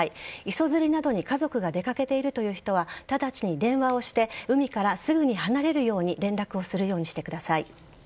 磯釣りなどに家族が出掛けている人は直ちに電話をして海からすぐに離れるように連絡をするようにしてください。